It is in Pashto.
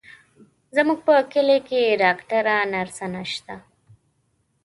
زموږ په کلي کې ډاکتره، نرسه نشته،